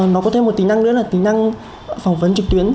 nó có thêm một tính năng nữa là tính năng phỏng vấn trực tuyến